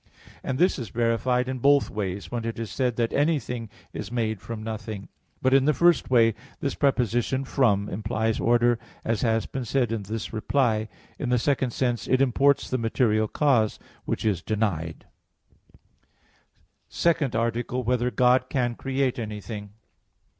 And this is verified in both ways, when it is said, that anything is made from nothing. But in the first way this preposition "from" [ex] implies order, as has been said in this reply. In the second sense, it imports the material cause, which is denied. _______________________ SECOND ARTICLE [I, Q. 45, Art. 2] Whether God Can Create Anything?